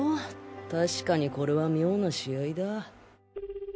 たしかにこれは妙な試合だ